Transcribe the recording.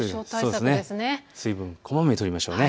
水分こまめにとりましょう。